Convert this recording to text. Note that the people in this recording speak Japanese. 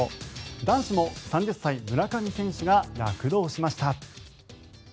男子も３０歳、村上選手が躍動しました。